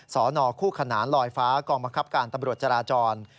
สนคู่ขนานลอยฟ้ากองบังคับการตำรวจจราจร